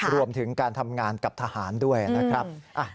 รวมถึงการทำงานกับทหารด้วยนะครับ